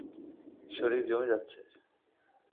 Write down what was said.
শরীর জমে যাচ্ছে।